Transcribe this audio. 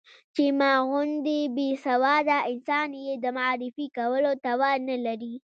چې ما غوندې بې سواده انسان يې د معرفي کولو توان نه لري.